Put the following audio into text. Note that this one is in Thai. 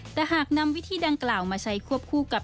แต่หากนำวิธีดังกล่าวมาใช้ควบคู่กับ